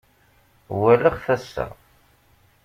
Walaɣ-t ass-a.